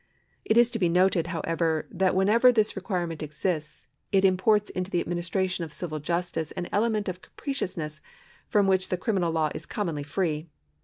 It is to be noted, however, that whenever this requirement exists, it imports into the administration of civil justice an element of capriciousness from which the criminal law is commonly free.